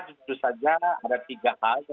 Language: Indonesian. tentu saja ada tiga hal